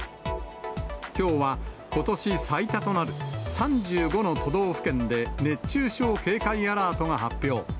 きょうはことし最多となる３５の都道府県で熱中症警戒アラートが発表。